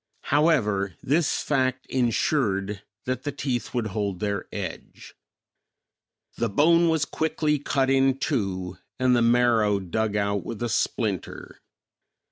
However, this fact insured that the teeth would hold their edge. The bone was quickly cut in two and the marrow dug out with a splinter.